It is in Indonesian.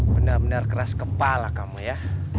benar benar keras kepala kamu ya